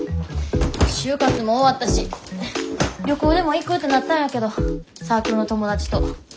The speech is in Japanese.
就活も終わったし旅行でも行く？ってなったんやけどサークルの友達と。